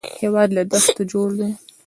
هېواد له دښتو جوړ دی